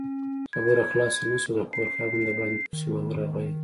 خبره خلاصه نه شوه، د کور خاوند د باندې پسې ورغی